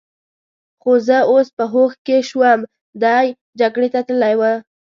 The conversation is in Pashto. خو زه اوس په هوښ کې شوم، دی جګړې ته تلی و.